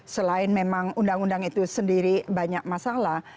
selain memang undang undang itu sendiri banyak masalah